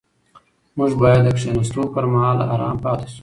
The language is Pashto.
موږ باید د کښېناستو پر مهال ارام پاتې شو.